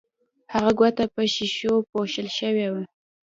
هغه کوټه په ښیښو پوښل شوې وه